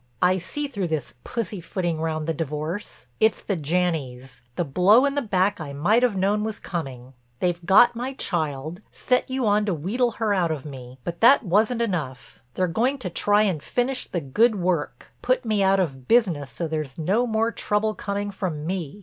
I see through this pussy footing round the divorce. It's the Janneys—the blow in the back I might have known was coming. They've got my child, set you on to wheedle her out of me. But that wasn't enough—they're going to try and finish the good work—put me out of business so there's no more trouble coming from me.